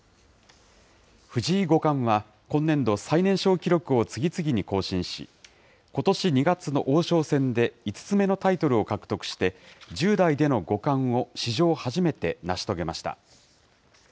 藤井五冠は、今年度、最年少記録を次々に更新し、ことし２月の王将戦で５つ目のタイトルを獲得して、１０代での五冠を史上初めて成し遂げました。